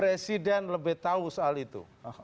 presiden lebih tahu soal itu